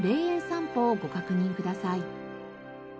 さんぽをご確認ください。